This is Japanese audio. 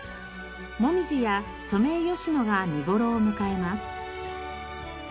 モミジやソメイヨシノが見頃を迎えます。